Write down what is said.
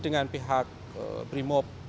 dengan pihak brimo